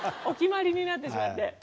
お決まりになってしまって。